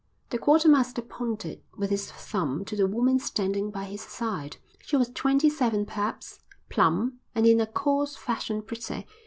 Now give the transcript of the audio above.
The quartermaster pointed with his thumb to the woman standing by his side. She was twenty seven perhaps, plump, and in a coarse fashion pretty.